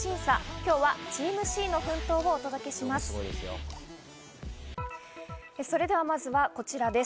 今日はチームＣの奮闘をお届けします。